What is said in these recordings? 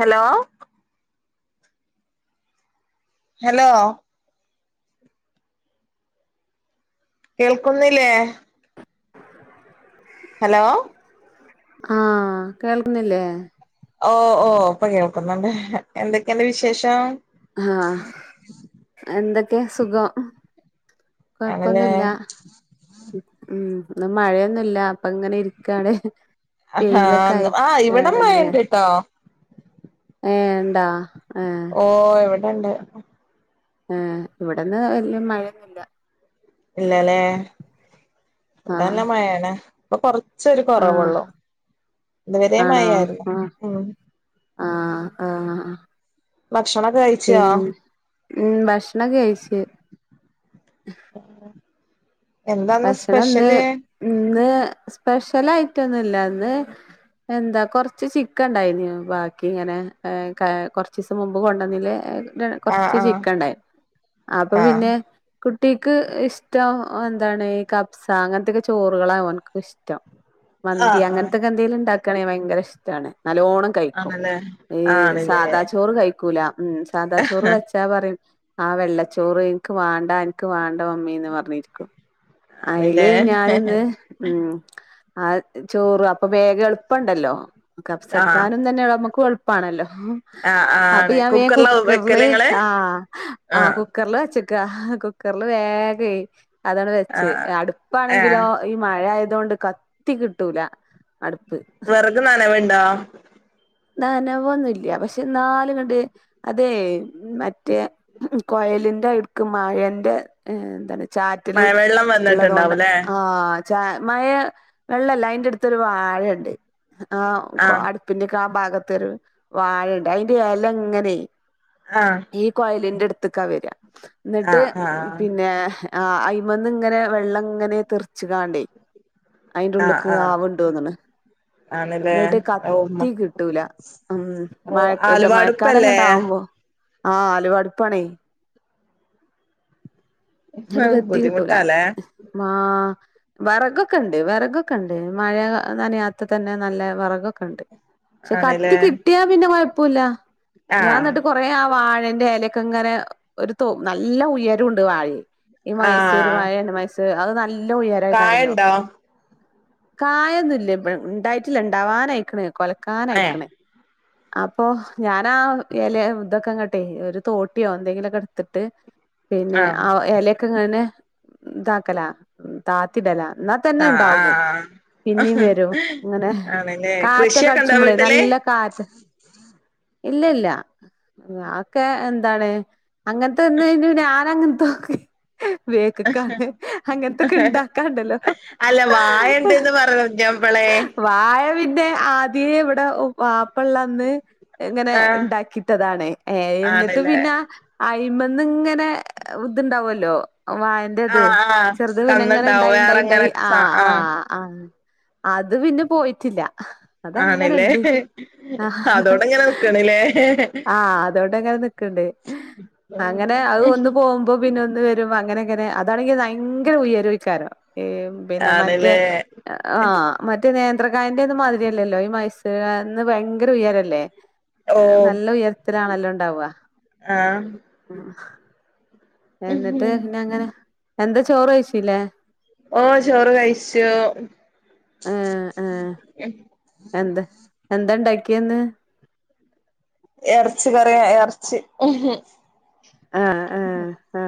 Hello hello കേൾക്കുന്നില്ലേ hello ആഹ് കേൾക്കുന്ന്ല്ലേ ഓ ഓ പ്പൊ കേൾക്കുന്നുണ്ട് എന്തൊക്കേണ്ട് വിശേഷം ആഹ് എന്തൊ ക്കെ സുഖം ആണല്ലേ കൊഴപ്പൊന്നുല്ല ഉം ഇന്ന് മഴയൊന്നുല്ല അപ്പ ങ്ങനെ ഇര്ക്കാണ് ഹ ആ ഇവിടെ മഴയുണ്ടു ട്ടോ ഏ ണ്ടാ ഓ ഇവ ടണ്ട് ഏ ഇവിടന്ന് വല്യ മഴയൊന്നുല്ല ഇല്ല ലേ ആ ഇവിടല്ല മഴയാണ് ഇപ്പോ കൊ റച്ചൊരു ആ കൊറവൊള്ളൂ ഇതുവരേ മഴയായിരുന്നു ഉം ആഹ് ആഹ് ഭക്ഷണൊക്കെ കഴിച്ചോ ഉം ഭക്ഷ ണം കയിച്ച് എന്താന്ന് ഭക്ഷണം ഇന്ന് സ്പെഷ്യല് ഇന്ന് സ്പെഷ്യൽ ആയ്റ്റ് ഒന്നുംല്ലാന്ന് എന്താ കൊറച്ച് ചിക്കൻ ഉണ്ടായി നി ബാക്കി ഇങ്ങനെ കുറച്ചീസം മുമ്പ് കൊണ്ടന്നില് ആ കൊറച്ച് ആ ചിക്കൻ ഉണ്ടായി അപ്പം ആ പിന്നെ കുട്ടിക്ക് ഇഷ്ടം അതാണ് ഈ കഫ്സ അങ്ങനത്തൊക്കെ ചോറുകളാകും ഓൻക്ക് ഇഷ്ടം ആ മന്തി ആ അങ്ങൻത്തൊക്കെ എന്തേലും ഉണ്ടാ ക്കണേ ഭയങ്കര ഇഷ്ടമാണ് നല്ലോണം കഴിക്കും ആണല്ലേ ഈ ആണില്ലേ സാദാ ചോറ് കഴിക്കൂല ഉം സാദാ ചോറ് വെച്ചാ പറയും ആ വെള്ളച്ചോറ് എനിക്ക് വേണ്ടാ എനിക്ക് വേണ്ട ഉമ്മീന്ന് പറഞ്ഞിരിക്കും അയില് ആണില്ലേ ഞാനിന്ന് ഉം ആ ചോറ് അപ്പം വേഗം എൾപ്പണ്ടല്ലോ ആ കഫ്സക്കാനും തന്നെനമുക്ക് എൾ പാണല്ലോ ഉം ആഹ് ആണ് അപ്പെയാൻ വേം കുക്കറിലാ കുക്കറ്ല് വെക്കല് ഇങ്ങള് ആ ആ ആഹ് കുക്കറ്ല് വച്ച് കാ കുക്കർല് വേഗേ അതാ ശേരി ആഹ് ഏഹ് അടുപ്പാണെങ്കിലോ ഈ മഴയാ തോണ്ട് കത്തി കിട്ടൂല അടുപ്പ് വെറക് നനവ് ണ്ടോ നനവൊന്നുല്ല്യാ പശ്ശെ ന്നാലും ങ്ങട് അതേ മറ്റേ ഉം ഉ കൊഴലിന്റെഴുക്ക് മാഴേൻന്റെ എന്താണ് ചാറ്റല് മഴവെള്ളം ള്ളതോണ്ട് വന്നിട്ടുണ്ടാവുംല്ലേ ആ ചാം മയേ വെള്ളല്ലൈന്റടുത്തൊരു വാഴണ്ട് ആ ആഹ് കൊഅടുപ്പിന്റെ ക് ആ ഭാഗത്തൊരു വാഴണ്ട് അയ്‌ന്റെ എല ഇങ്ങനേ ആഹ് ഈ കൊഴലിന്റെടു തിക്കാ വെരാ ന്നിട്ട് ആഹ് ആഹ് പിന്നെ ആ അയിമേന്നിങ്ങനെ വെള്ളങ്ങനെ തെറ്ച്ച് കാണ്ടേ അയിന്റെ ആഹ് ഉള്ള്ക്ക്‌ ആഹ് ആവുണ്ടോന്ന്ണ് ആണല്ലേ ന്നിട്ട് ക ഓഹ് മ തീ കിട്ടൂല ഉം മഴ ഓഹ് ഇത ആലുവാടുപ്പല്ലേ മഴക്കാലങ്ങോട്ട ആവുമ്പോ ആഹ ആലുവടുപ്പാണേ ങ്ങട്ട് കത്തി കിട്ടൂലാ ബുദ്ധിമുട്ടാല്ലേ മാ വറകൊക്കെ ണ്ട് വറകൊക്കെ ണ്ട് മഴ നനാത്ത തന്നെ നല്ല വറകൊക്കെ ണ്ട്. പക്ഷെ കത്തി ആണ്ല്ലേ കിട്ടിയാ പിന്നെ പുല്ല ഞാൻ ആഹ് എന്നിട്ട് കൊറ ആ വാ വഴന്റെ ലക്കെ ഇങ്ങനെ ഒരു തോ നല്ല ഉയരു ഉണ്ട് വാഴ ഈ മൈസൂര് ആഹ് വാഴ ണ്ട് മൈസൂര് അത് നല്ല ല്ല ഉയരക്കാരല്ലോ കായണ്ടോ കായൊന്നും ഇല്ല ഉണ്ടായിട്ടില്ല ഉണ്ടവാാനയിക്ക്‌ണ് കൊല ഏഹ് ക്കാനായിക്ക്ണ് അപ്പൊ ഞാനാ എല ഇതൊക്കെങ്ങട്ടെ ഒരു തോട്ടിയോ എന്തെങ്കിലൊക്കെ ഇട്ത്തിട്ട് പിന്നെ ആഹ് ആ എല ക്കങ്ങനെ താക്കല താത്തിടല ആ ആ ആ തന്നെ കൃഷി ട് ചുമ്പളെ നല്ല കാറ്റ് ഇല്ല ഇല്ല ആക്കെ എന്താണ് അങ്ങൻത്തെ ഒന്നു ഞാൻ അങ്ങൻതെ നോക്കി ബേക്ക്ക്കാണ് അങ്ങനത്തൊക്കെ ഇ ണ്ടാക്കാണ്ടല്ലോ അല്ല വായണ്ട്ന്ന് പറഞ്ഞപ്പളേ വായ പിന്ന [unintelligible] തേ ഇവിടെ വാപ്പള്ളന്ന് ഇങ്ങനെ ആഹ് ഇണ്ടാക്കിട്ടതാണ് ഏ എന്നിട്ട് ആണല്ലേ പിന്നെ അയിമെന്ന് ഇങ്ങനെ ഇതുണ്ടാവല്ലോ വായന്റെ ഇത് ആഹ് ആഹ് ചെറുത് ഇങ്ങനെ കന്നുണ്ടാവും ഉണ്ടായി ഉണ്ടായി ഉണ്ടായി വേറെങ്ങനെ ആ സ ആ ആഹ് ആ അത് പിന്നെ പോയിട്ടില്ല ആണല്ലേ അതങ്ങനെണ്ട് അതോടെങ്ങനെ നിക്കണല്ലേ ആഹ അതുകൊണ്ട് അങ്ങനെ നിക്കണ്ട് അങ്ങനെ അത് ഒന്ന് പോകുമ്പോ പിന്നെന്ന് വരുമ്പോ അങ്ങനെ അങ്ങനെ അതാണെങ്കിൽ ഭയങ്കര ഉയരെക്കാരം [unintelligible] പിന്നെ മറ്റേ ആണല്ലേ ആ മറ്റേ നേരത്തെ ത്രകായിന്റെന്ന് മാതിരിയല്ലല്ലോ ഈ മൈസൂർക്കാരന് ഭയങ്കര ഉയരല്ലേ ഏ, ഓ നല്ല ഉയരത്തിലാണല്ലോണ് ഉണ്ടാവ ആ എന്നിട്ട് പിന്നെ അങ്ങനെ എന്താ ചോറ് കഴിച്ചില്ലേ ഓ ചോറ് കഴിച്ചു ഏ ഏ എന്ത് എന്താണ്ടാക്കിയന്ന് ഇറച്ചി കറിയാ ഇറച്ചി ആഹ ആഹ ആഹ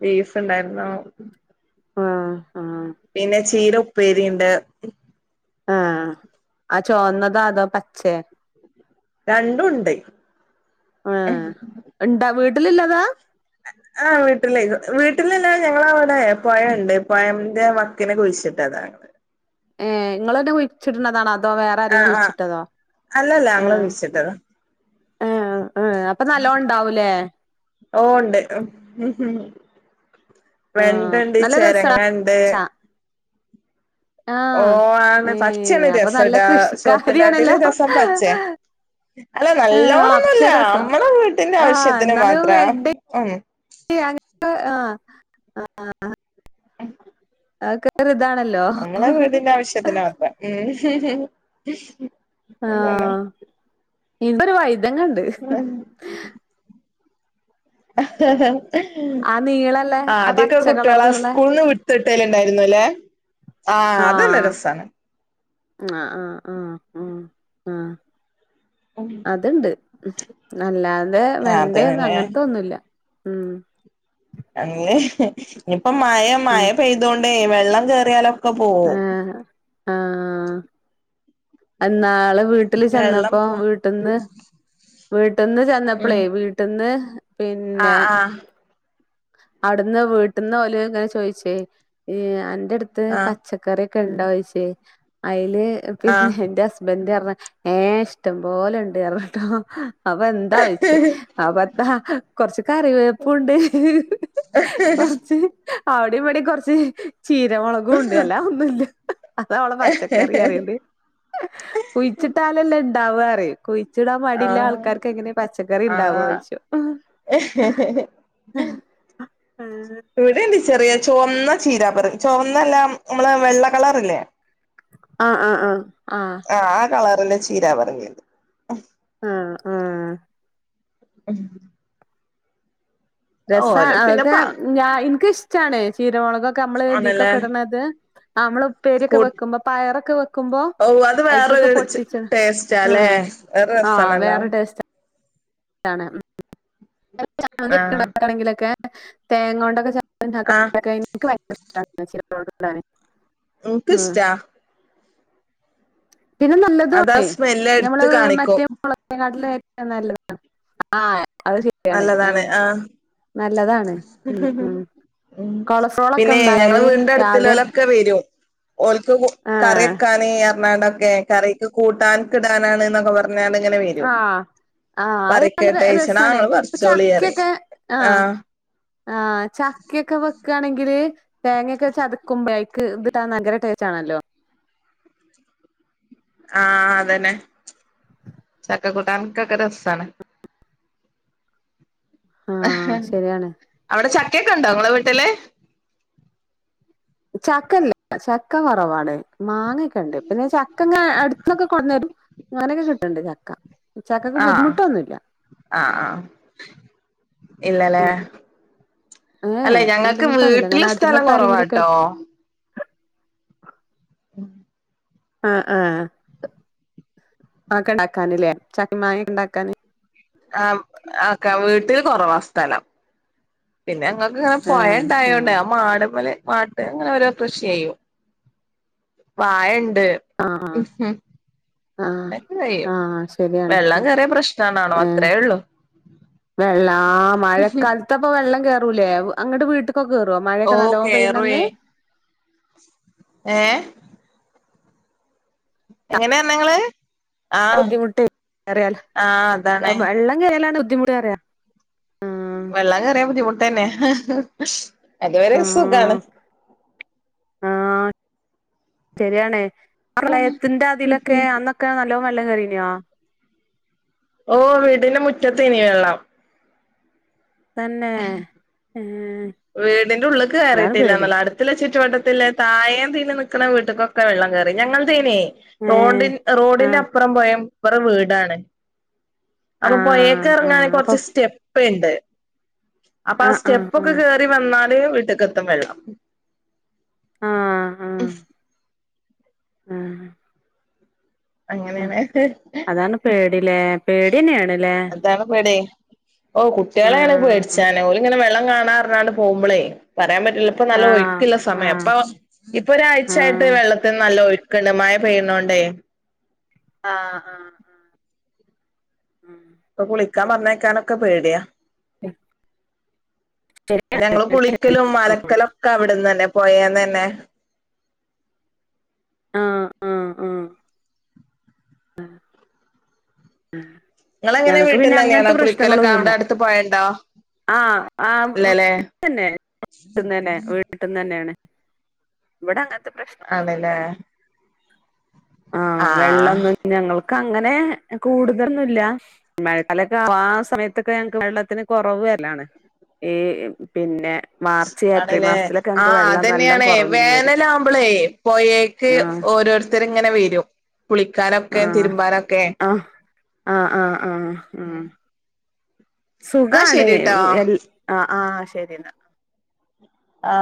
ബീഫ് ഇണ്ടായിരുന്നോ ആഹ പിന്നെ ചീര ഉ ഉപ്പേരി ഉണ്ട് ആ അ ചോനതാ തോ പച്ച യോ രണ്ടും ഉണ്ട് വീട്ടിൽലില്ലതാ ആ വീട്ടിലേ വീട്ടിലല്ല ഞങ്ങളവിടെ പൊഴുണ്ട് പൊഴന്റെ വക്കിന് കുഴിച്ചിട്ടതാങ്ങള് ഏ നിങ്ങന്നെ കുഴിച്ചിടുന്നതാണ് അ ആ അ അല്ലല്ല ഞങ്ങള് ഏഹ് കുഴിച്ചിട്ടതാ ഏഹ് ഏഹ് അപ്പൊ നല്ലോം ഇണ്ടാവൂലേ ഓ ഉണ്ട് വേണ്ട ആഹ് ഉണ്ട്, നല്ല രസാ ചെരങ്ങാ ഉണ്ട് ച്ച ഓ ആഹ് ആണ് പച്ചണ് ഏഹ് അപ്പൊ രസ നല്ല ടാ ചോപ്പിനാട്ടില് കൃഷിക്കാരിയാണല്ലോ രസം പച്ചേ അല്ല ആഹ് പച്ച നല്ലോണൊന്നുല്ല രസം നമ്മളെ വീട്ടിന്റെ ആഹ് ആവശ്യത്തിന് എന്നാലും മാത്ര ഉം ആ ആ മ്. ആ ക്കാരം. നമ്മളെ വീടിന്റെ ആവശ്യത്തിനകത്ത എന്തന്ന് ഇബര് വയ് തങ്ങണ്ട് ഹ ഹ ഹാ ആ നീളല്ലേ ആ പച്ച കളറ്ള്ള്ളേ തിട്ടല്ണ്ടായിരുന്നല്ലേ ആ ആ ആ ആ ആ ആ അത്ണ്ട് അല്ലാതെ ആഹ് വെണ്ടയൊന്നു അതന്നെല്ലേ അങ്ങൻത്തൊന്നുല്ല ഉം അങ്ങ് ഞി പ്പം മഴ മഴ പെയ്തോണ്ടേ വെ ള്ളം കേറിയാലോ ആ ആ ആ അന്നാള് വീട്ടില് വെള്ളം ചെന്നപ്പോ പോ വീട്ട്ന്ന് വീ ട്ട്ന്ന് ഉം ചെന്നപ്പളേ വീട്ട്ന്ന് പിന്നെ ആഹ് ആഹ് അടുന്ന് വീട്ട്ന്ന് ഓല് ങ്ങനെ ചോയ്ച്ചേ ഈ അൻ ന്റെട്ത്ത് കറിക്കെ ണ്ടോയ്ച്ചേ അയ് അയ്ല് ആഹ് പിന്നെ ന്റെ ഹസ് ഹസ്ബൻഡ് പറഞ്ഞ് ഏ ഇഷ്ടം പോലെ ണ്ട് പറഞ്ഞട്ടോ അപ്പൊ ന്താന്ന് ചോദിച്ച് അപ്പഎന്താ കൊറച്ച് കറിവേപ്പുണ്ട് കൊറച്ച് അവിടെ ഇവിടെ കുറച്ച് ചീര ഉണ്ട് അല്ലാതെ ഒന്നുമില്ല അതാ അവള് പച്ചക്കറിഅറിയണ്ട് കുഴിച്ചിട്ടാലല്ലേ ണ്ടാപറയും കുഴി ആ ആ ഉണ്ടാവുക ചോയിച്ചു ഇവിടെണ്ട് ചെറിയ ചുവന്ന ചീര [unintelligible] ചുവന്നയല്ല നമ്മള് വെള്ള കളറില്ലേ അ അ ആ അ ആ കളർ ഇത് ചീര പറങ്ങിയത് ആ ആ ഉം രസാ പിന്നെ അതൊക്കെ പ ഞ എനിക്ക് ഇഷ് ച്ചാണെചീർ കുരുമൊളകൊക്കെ നമ്മള് ആണല്ലേ ഇതീക്കൊക്കെ ഇടുന്നത് നമ്മള് കൂ ഉപ്പേരിയൊക്കെ വെക്കുമ്പം പയറൊക്കെ വെക്കുമ്പോ ഓ അത് അയിക്കൊക്കെ വേറൊരു പൊട്ടിച്ച് ഹ് ടേസ്റ്റാല്ലേ വേറെ ആ രസാണല്ലോ വേറെ ടേസ്റ്റാ അതാണ് ആഹ് ണ്ടാക്കണമെങ്കിലൊക്കെ [inaudible] തേങ്ങ കൊണ്ടൊക്കെ ആഹ് ണ്ടാക്കാനൊക്കെ എനിക്ക് ഭയങ്കരിഷ്ടാ [unintelligible] ഓക്കിഷ്ടാ പിന്നെ അതാ നല്ലതുവാണ് സ്മെല്ല് നമ്മള് എടുത്ത് മറ്റേ കാണിക്കും [inaudible] നാട്ടിലെ നല്ലതാ ആഹ് അത് ശരിയാണ് ആ നല്ലതാണ് ആഹ് നല്ലതാണ് ഉം ഉം ഉം കൊളസ്ട്രോൾ ഒക്കെ പിന്നെ ഞങ്ങളെ ഉണ്ടായാല് വീടിന്റെ രാവിലെ അടുത്തുള്ളോലൊക്കെ വരും ഓൽക്ക് കറി ആഹ് വെക്കാനേ ങ്ങാണ്ടൊക്കെ കറിക്ക് കൂട്ടാൻ കിടാനാണ് എന്നൊക്കെ പറഞ്ഞ് [unintelligible] ഇങ്ങനെ വരും ആഹ് ആഹ് അത് നല്ല രസാണ് വ [unintelligible] ഇപ്പ ചക്കയൊക്കെ ആ ആ ചക്കയൊക്കെ വ ക്കയാണെങ്കില് തേങ്ങയൊക്കെ ചതക്കുമ്പോഴേക്ക് ഇതിടാൻ ഭയങ്കര ടേസ്റ്റ് ആണല്ലോ ആഹ് അതന്നെ ചക്ക കൂട്ടാനൊക്കെ രസാണ് ആഹ് ഹ് ശരിയാണ് അവിടെ ചക്കയൊക്കെ ഉണ്ടോ [unintelligible] ട്ടല്ലേ ചക്കയില്ല ചക്ക കൊറവാടെ മാങ്ങ കണ്ട് ഇപ്പ ന്നെ ചക്കങ് അട്ക്കോകെ കൊണ്ടരും വാങ്ങാനൊക്കെ കിട്ട്ണ്ട് ചക്ക മ് ചക്കക്ക് ആഹ് ബുദ്ധിമുട്ടൊന്നും ഇല്ല ഇല്ലലേ അല്ലെ ഏഹ് ഞങ്ങക്ക് ബുദ്ധിമുട്ടൊന്നുല്ല വീട്ടില് അങ്ങനെ സ്ഥലം അടുത്തുന്നൊക്കെ ആരെങ്കിലൊക്കെ കൊറവാട്ടോ ആയിട്ട് ആ ആ അഒക്കെ ഇണ്ടാക്കാന്ലേ ചക്കിം മാങ്ങക്കെ ഇണ്ടാക്കാന് ആ അഒക്കെ വീട്ടിൽ കൊറവാ സ്ഥലം പിന്നെ ങ്ങക്ക് പൊയ ആഹ് ഇണ്ടായോണ്ട് ആഹ് ആ മാട്മ്മല് പാട്ട് ങ്ങനെ ഓരോ കൃഷി ചെയ്യും വാഴണ്ട അ ആ അതൊക്കെ കഴിയും ആ ആ ശരിയാണ് വെള്ളം മ് കേറിയ പ്രശ്നാണാണോ ആ അത്രേ ഉള്ളൂ വെള്ള ആ മഴക്കാല്ത്താപ്പം വെള്ളം കേർ റുമലേ അങ്ങട്ട് വീട്ട്ക് ക്കൊ കേറോ മഴൊക്കെ ഓ നല്ലോം പെയ്യ്ണന്ന് എ എങ്ങനെ വെന്നെങ്ങ്ള് ബുദ്ധിമുട്ടേറിയ ആഹ് അതാണ് വെള്ളം കേറിയാലാണ് ഇ മുടിയറ വെള്ളം കറിയ ബുദ്ധിമുട്ട് തന്നെ [inaudible] അതവരെ സുഖാണ് ആഹ് ആ ശരിയാണേ പ്രളയത്തിന്റെ അതിലൊക്കെ അന്നൊക്കെ നല്ല എല്ലാ നല്ല കറീനയാ ഓ വീടിന്റെ മുറ്റത്ത് തന്നെയാ വെള്ളോം തന്നെ ഏഹ് വീടിന്റെ ഉള്ളേ അതാണ് കേയറിയിട്ടില്ല പേടി എന്നല്ല അടുപിന്ന് ചുറ്റും ചുറ്റുവട്ടതുഉള്ള തായേം തീനി നിൽക്കണ വീട്ടക്കൊക്കെ വെള്ളം കയറി ഞങ്ങൾ തീനേ ഏഹ് റോഡി ആഹ് റോഡിനപ്പുറം വയ അപ്പറം വീടാണ് അപ്പൊ പൊഴേക്ക് ആഹ് ഇറങ്ങാണെ ആഹ് അപ്പൊ കൊറച്ച് സ്റ്റെ്പ്പ് ഇപ്പോ ഇണ്ട് അപ്പൊ ആ ആഹ് ആഹ് സ്റ്റെപ്പ് ഒക്കെ ആഹ് കേറി വന്നാൽ വേഗം വീട്ടകത്തും വെള്ളം മൂഹ് ആ അങ്ങനെയാണ് അതാണ് പേടിലേ പേടി അതാണ് പേടി ഓ കുട്ടികളേണ് ആഹ് പേടിച്ചാന ഓള് ഇങ്ങനെ വെള്ളം കാ നടന്ന് നടന്ന് പോകുമ്പോളേ വരലിനെ ഈപ്പോ നല്ല ആഹ് ഒഴിക്കിള്ള സമയം ആഹ് അപ്പൊ ഇപ്പൊ ഒരാഴ്ചയായിട്ട് ആഹ് വെള്ളത്തിന് നല്ല ഒഴു കെണമായ പെയ്യുന്നോണ്ടേ ആ ആ ആ ആ അപ്പൊ കുളിക്കാൻ പറഞ്ഞേക്കാനൊക്കെ പേടിയാ [unintelligible] ശരി ഞങ്ങള് കുളിക്കലും മലക്കലും ഒക്കെ അവിടന്നന്നെ പൊയേന്നന്നെ ആ ആ ആ നിങ്ങളെങ്ങനെ ഞങ്ങൾക്ക് പിന്നെ വീട്ടിൽന്ന് തന്നെയാണോ അങ്ങനത്തെ കുളിക്കലൊക്കെ അവിടെ പ്രശ്നങ്ങളൊന്നുമില്ല അടുത്ത് പൊഴണ്ടോ ആ ആ ഇല്ലല്ലേ തന്നെ വീട്ടിന്ന് വീട്ടി തന്നെന്നേ ആണ് ഇവിടെ അങ്ങ ആണല്ലേ ആ ആഹ് വെള്ളം ഞങ്ങൾ ക്കങ്ങനെ കൂടുതലൊന്നുല്ല മയക്കാലൊക്കെ ആ സമയത്തൊക്കെ ഞങ്ങക്ക് വെള്ളത്തിന് കുറവ് വരലാണ് ഈ പിന്നെ മാർച്ച് ഏപ്രിൽ ആണല്ലേ മാസത്തിലൊക്കെ ആ ഞങ്ങക്ക് വെള്ളം നല്ലം അതന്നെയാണേ കൊറഞ്ഞ് വരും വേനലാവുമ്പളേ പൊയേക്ക് ആഹ് ഓരോരുത്തർ ഇങ്ങനെ വരും കുളിക്കാനൊക്കെ തിരുമ്പാനൊക്കെ ആ ആ ആ ആ ആ എന്നാ സുഖാണ് ശരിട്ടോ [unintelligible] ആ ആ ശരി എന്നാ ആ